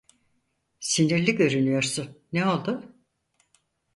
Sinirli görünüyorsun, ne oldu?